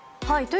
はい。